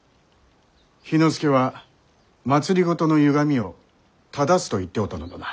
氷ノ介は「政のゆがみを正す」と言うておったのだな？